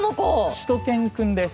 しゅと犬くんです。